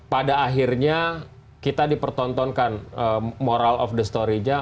pada akhirnya kita dipertontonkan moral of the story nya